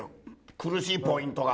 苦しいポイントが。